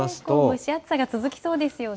蒸し暑さが続きそうですよね。